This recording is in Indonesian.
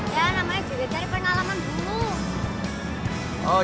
ya namanya juga dari pengalaman dulu